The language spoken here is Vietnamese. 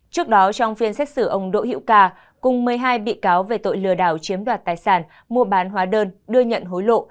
trước đó trong phiên xét xử ông đỗ hiễu cà cùng một mươi hai bị cáo về tội lừa đảo chiếm đoạt tài sản mua bán hóa đơn đưa nhận hối lộ